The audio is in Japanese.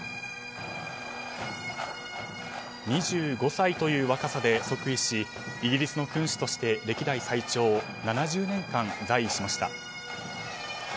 ２５歳という若さで即位しイギリスの君主として歴代最長７０年間在位しました。